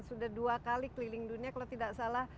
sudah dua kali keliling dunia kalau tidak salah